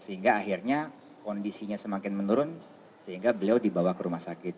sehingga akhirnya kondisinya semakin menurun sehingga beliau dibawa ke rumah sakit